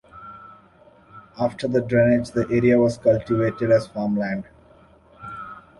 After the drainage, the area was cultivated as farmland.